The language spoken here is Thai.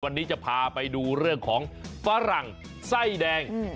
วันนี้จะพาไปดูเรื่องของฝรั่งไส้แดง